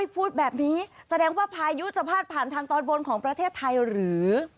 พูดแบบนี้แสดงว่าพายุจะพาดผ่านทางตอนบนของประเทศไทยหรือ